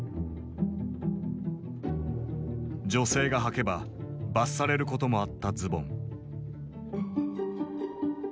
女性がはけば罰されることもあったズボン。